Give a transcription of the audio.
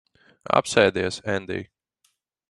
Apsēdies, Endij.